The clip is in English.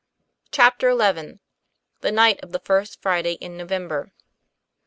CHAPTER XL THE NIGHT OF THE FIRST FRIDA Y IN NOVEMBER.